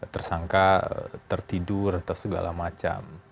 tersangka tertidur segala macam